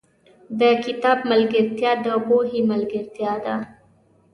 • د کتاب ملګرتیا، د پوهې ملګرتیا ده.